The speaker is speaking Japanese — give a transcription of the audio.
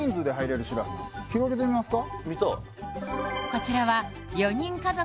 広げてみますか？